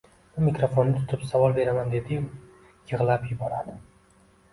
U mikrafonni tutib savol beraman deyliyu, yig’lab yuboradi